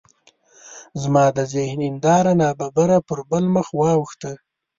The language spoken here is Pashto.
زما د ذهن هنداره ناببره پر بل مخ واوښته.